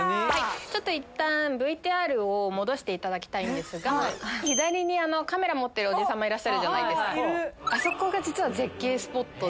ちょっといったんＶＴＲを戻していただきたいんですが左にカメラ持ってるおじさまいらっしゃるじゃないですかあそこが実は絶景スポットで